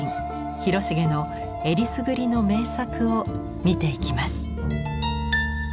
広重のえりすぐりの名作を見ていきます。